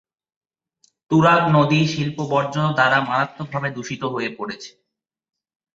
তুরাগ নদী শিল্প বর্জ্য দ্বারা মারাত্মকভাবে দূষিত হয়ে পড়েছে।